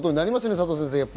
佐藤先生。